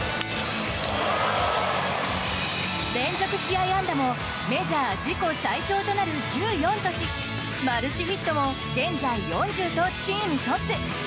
連続試合安打もメジャー自己最長となる１４としマルチヒットも現在４０とチームトップ。